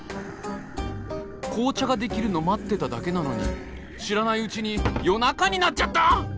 紅茶ができるの待ってただけなのに知らないうちに夜中になっちゃった！